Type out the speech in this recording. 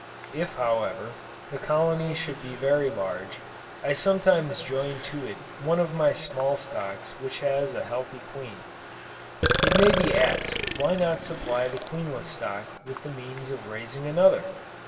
If however, the colony should be very large, I sometimes join to it one of my small stocks which has a healthy queen. It may be asked why not supply the queenless stock with the means of raising another?